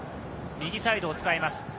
右サイドを使います。